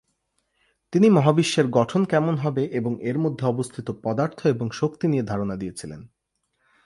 তিনি মহাবিশ্বের গঠন কেমন হবে এবং এর মধ্যে অবস্থিত পদার্থ এবং শক্তি নিয়ে ধারণা দিয়েছিলেন।